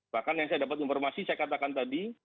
bahkan yang saya dapat informasi saya katakan tadi